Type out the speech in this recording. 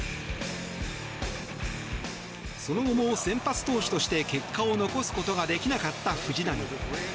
その後も先発投手として結果を残すことができなかった藤浪。